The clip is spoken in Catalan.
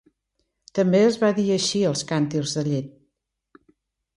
També es va dir així als càntirs de llet.